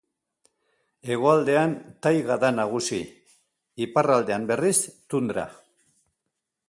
Hegoaldean taiga da nagusi; iparraldean, berriz tundra.